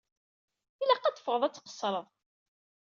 Ilaq ad teffɣeḍ ad tqeṣṣreḍ.